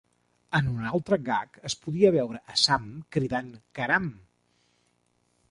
En un altre gag es podia veure a Sam cridant '¡Caram!